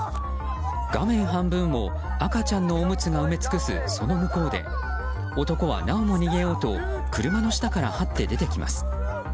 画面半分を赤ちゃんのおむつが埋め尽くすその向こうで男は、なおも逃げようと車の下からはって出てきます。